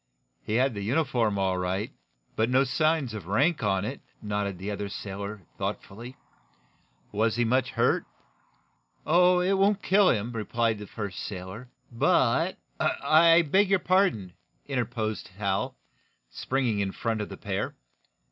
"He had the uniform, all right but no signs of rank on it," nodded the other sailor, thoughtfully. "Was he much hurt?" "Oh, it won't kill him," replied the first sailor. "But " "I beg your pardon," interposed Hal, springing in front of the pair.